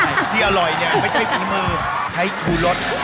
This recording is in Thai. ที่อร่อยเนี่ยไม่ใช่ฝีมือใช้ชูรส